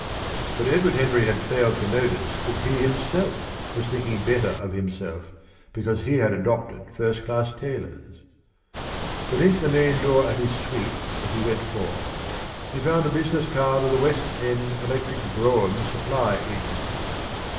But Edward Henry had failed to notice that he himself was thinking better of himself because he had adopted first class tailors. Beneath the main door of his suite, as he went forth, he found a business card of the West End Electric Brougham Supply Agency.